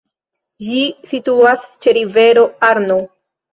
Ĝi situas ĉe rivero Arno.